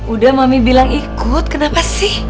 udah mami bilang ikut kenapa sih